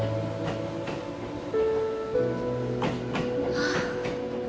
あっ。